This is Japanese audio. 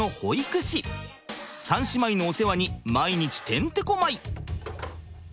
３姉妹のお世話に毎日てんてこまい。